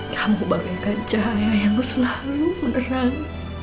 kamu bagaikan cahaya yang selalu menerang